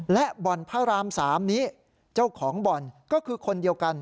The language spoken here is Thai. และบ่อนพระราม๓นี้เจ้าของบ่อนก็คือคนเดียวกัน